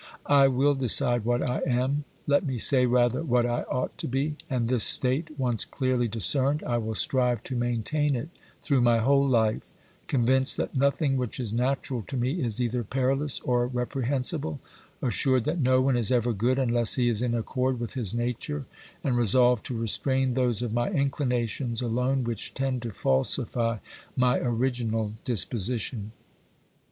I will decide what I am, let me say rather, what I ought to be, and this state once clearly discerned, I will strive to main tain it through my whole hfe, convinced that nothing which is natural to mc is either perilous or reprehensible, assured that no one is ever good unless he is in accord with his nature, and resolved to restrain those of my inclinations alone which tend to falsify my original disposition.